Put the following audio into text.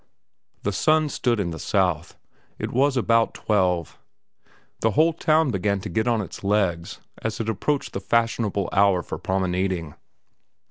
The sun stood in the south; it was about twelve. The whole town began to get on its legs as it approached the fashionable hour for promenading.